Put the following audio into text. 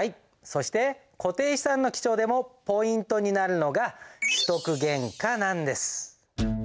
そして固定資産の記帳でもポイントになるのが取得原価なんです。